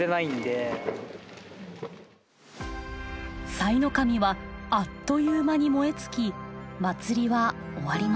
さいの神はあっという間に燃え尽き祭りは終わりました。